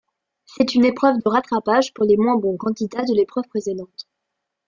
C'est une épreuve de rattrapage pour les moins bons candidats de l'épreuve précédente.